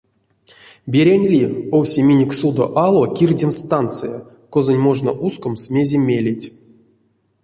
Берянь ли, овсе минек судо ало кирдемс станция, козонь можна ускомс мезе мелеть.